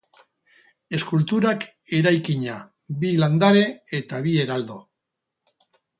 Eskulturak eraikina, bi landare eta bi heraldo.